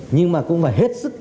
nhưng mà cũng phải hết sức